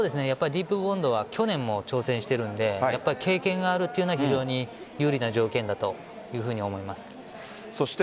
ディープボンドは去年も挑戦しているので経験があるというのは非常に有利な条件だと思います。